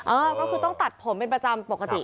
เออก็คือต้องตัดผมเป็นประจำปกติ